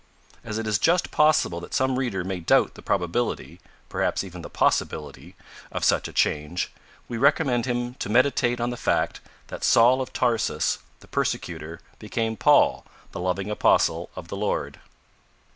As it is just possible that some reader may doubt the probability perhaps even the possibility of such a change, we recommend him to meditate on the fact that Saul of Tarsus, the persecutor, became Paul, the loving Apostle of the Lord.